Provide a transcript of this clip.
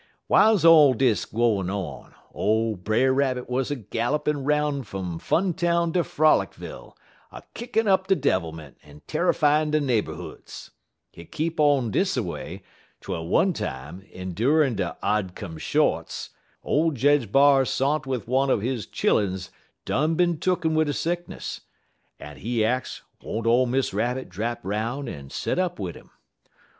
"Wiles all dis gwine on, ole Brer Rabbit wuz a gallopin' 'roun' fum Funtown ter Frolicville, a kickin' up de devilment en terrifyin' de neighborhoods. Hit keep on dis a way, twel one time, endurin' de odd come shorts, ole Jedge B'ar sont wud dat one er his chilluns done bin tooken wid a sickness, en he ax won't ole Miss Rabbit drap 'roun' en set up wid 'im.